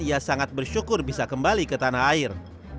ia sangat bersyukur bisa kembali ke tanah air